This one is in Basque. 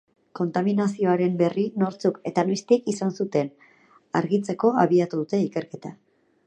Kontaminazioaren berri nortzuk eta noiztik izan zuten argitzeko abiatu dute ikerketa.